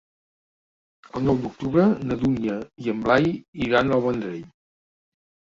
El nou d'octubre na Dúnia i en Blai iran al Vendrell.